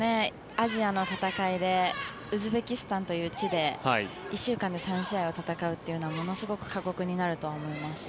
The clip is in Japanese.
アジアの戦いでウズベキスタンという地で１週間で３試合を戦うというのはものすごく過酷になるとは思います。